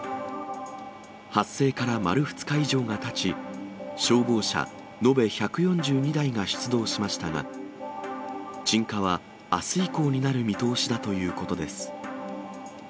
発生から丸２日以上がたち、消防車延べ１４２台が出動しましたが、鎮火はあす以降になる見通しだということです。